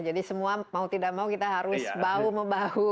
jadi semua mau tidak mau kita harus bahu membahu